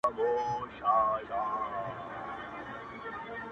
o په زېور د علم و پوهي یې سینګار کړﺉ,